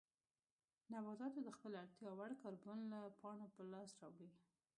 نباتاتو د خپلې اړتیا وړ کاربن له پاڼو په لاس راوړي.